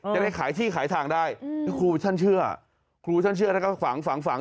จะได้ขายที่ขายทางได้คือครูท่านเชื่อครูท่านเชื่อแล้วก็ฝังฝัง